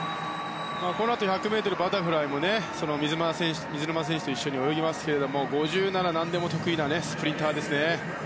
このあと１００ｍバタフライも水沼選手と一緒に泳ぎますけど５０なら何でも得意なスプリンターですね。